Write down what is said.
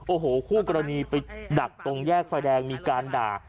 โอ้โหคู่กรณีไปดักตรงแยกไฟแดงมีการด่า